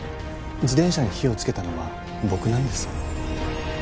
自転車に火をつけたのは僕なんです。